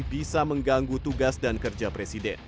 bisa mengganggu tugas dan kerja presiden